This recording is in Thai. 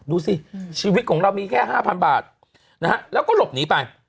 ดูสิชีวิตของเรามีแค่๕๐๐บาทนะฮะแล้วก็หลบหนีไป